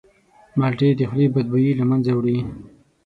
مالټې د خولې بدبویي له منځه وړي.